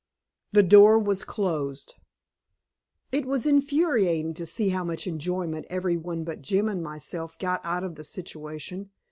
THE DOOR WAS CLOSED It was infuriating to see how much enjoyment every one but Jim and myself got out of the situation.